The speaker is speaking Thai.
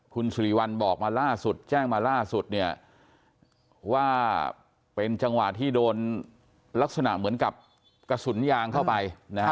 คุณสุริวัลบอกมาล่าสุดแจ้งมาล่าสุดเนี่ยว่าเป็นจังหวะที่โดนลักษณะเหมือนกับกระสุนยางเข้าไปนะฮะ